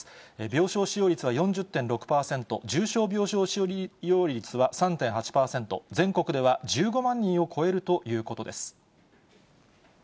病床使用率は４０．６％、重症病床使用率は３．８％、全国では１５万人を超えるということです。